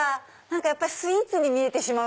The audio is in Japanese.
やっぱスイーツに見えてしまう。